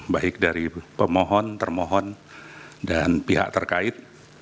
baik dari pemohon termohon dan pihak terkait